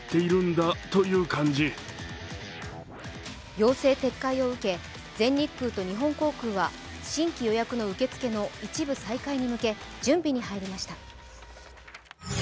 要請撤回を受け、全日空と日本航空は新規予約の受付の一部再開に向け準備に入りました。